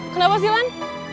kenapa sih lan